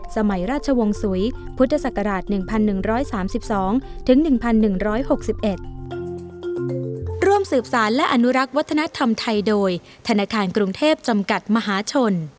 สมัยราชวงศ์สุยพุทธศักราช๑๑๓๒๑๑๖๑